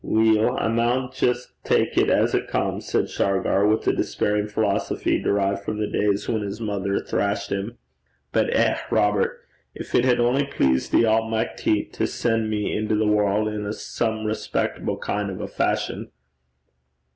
'Weel, I maun jist tak it as 't comes,' said Shargar, with a despairing philosophy derived from the days when his mother thrashed him. 'But, eh! Robert, gin it had only pleased the Almichty to sen' me into the warl' in a some respectable kin' o' a fashion!'